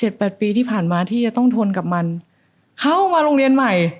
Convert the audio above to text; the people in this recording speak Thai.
แปดปีที่ผ่านมาที่จะต้องทนกับมันเข้ามาโรงเรียนใหม่